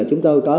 chúng tôi có